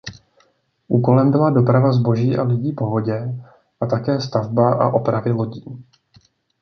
Úkolem byla doprava zboží a lidí po vodě a také stavba a opravy lodí.